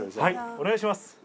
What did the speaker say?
お願いします。